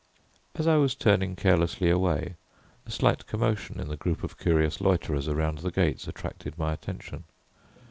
As I was turning carelessly away, a slight commotion in the group of curious loiterers around the gates attracted my attention.